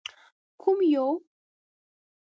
_کوم يو؟